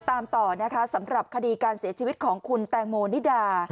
ตามต่อนะคะสำหรับคดีการเสียชีวิตของคุณแตงโมนิดา